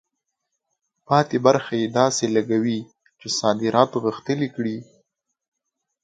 پاتې برخه یې داسې لګوي چې صادرات غښتلي کړي.